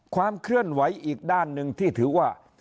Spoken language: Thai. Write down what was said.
ความเคลื่อนไหวอีกด้านหนึ่งที่ถือว่า